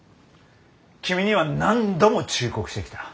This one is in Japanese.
君には何度も忠告してきた。